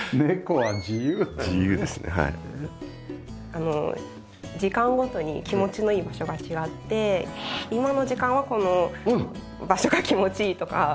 あの時間ごとに気持ちのいい場所が違って今の時間はこの場所が気持ちいいとか。